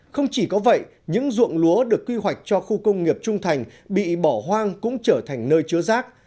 không chỉ có vậy những ruộng lúa được quy hoạch cho khu công nghiệp trung thành bị bỏ hoang cũng trở thành nơi chứa rác